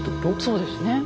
そうですね。